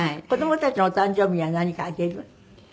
子どもたちのお誕生日には何かあげる？